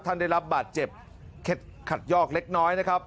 ท่านได้รับบาดเจ็บเคล็ดขัดยอกเล็กน้อยนะครับ